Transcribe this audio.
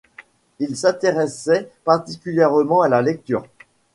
Il s'intéressait particulièrement à la lecture.